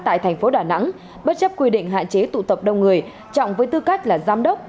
tại thành phố đà nẵng bất chấp quy định hạn chế tụ tập đông người trọng với tư cách là giám đốc